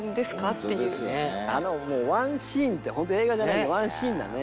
あのもうワンシーンってホント映画じゃないけどワンシーンだね。